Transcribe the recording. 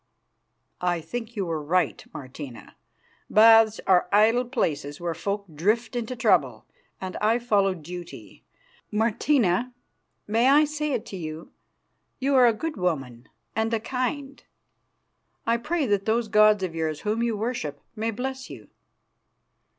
"I think you were right, Martina. Baths are idle places where folk drift into trouble, and I follow duty. Martina may I say it to you? you are a good woman and a kind. I pray that those gods of yours whom you worship may bless you."